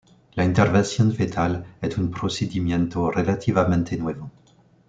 La intervención fetal es un procedimiento relativamente nuevo.